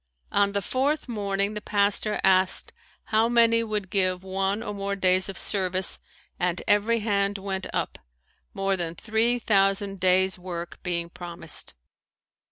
On the fourth morning the pastor asked how many would give one or more days of service and every hand went up, more than three thousand days work being promised.